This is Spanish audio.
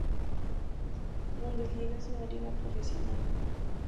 Bundesliga en una liga profesional.